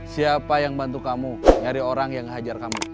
siapa yang bantu kamu nyari orang yang hajar kamu